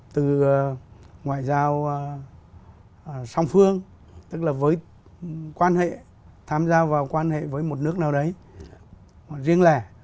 từ ngoại giao song phương tức là với quan hệ tham gia vào quan hệ với một nước nào đấy riêng lẻ